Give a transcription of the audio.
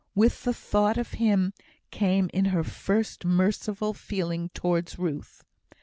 With the thought of him came in her first merciful feeling towards Ruth.